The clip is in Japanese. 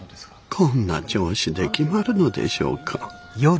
こんな調子で決まるのでしょうか？